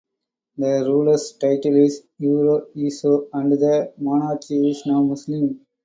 The ruler's title is "Uro Eso" and the monarchy is now Muslim.